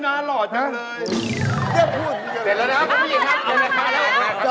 ต้องต้องดูแม่ดูแม่